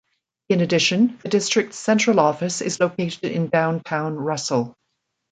In addition, the district's central office is located in downtown Russell.